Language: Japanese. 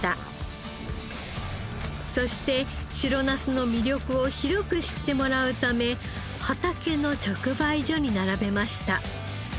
そして白ナスの魅力を広く知ってもらうため畑の直売所に並べました。